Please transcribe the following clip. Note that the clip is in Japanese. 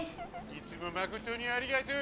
いつもまことにありがとう。